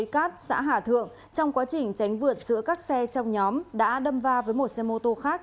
cát xã hà thượng trong quá trình tránh vượt giữa các xe trong nhóm đã đâm va với một xe mô tô khác